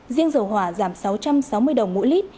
riêng dầu hỏa giảm sáu trăm sáu mươi đồng mỗi lít